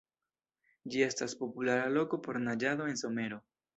Ĝi estas populara loko por naĝado en somero.